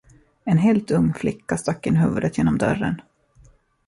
En helt ung flicka stack in huvudet genom dörren.